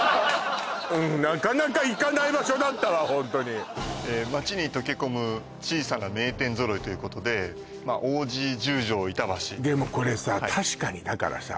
なかなか行かない場所だったわホントに街に溶け込む小さな名店揃いということで王子十条板橋でもこれさ確かにだからさ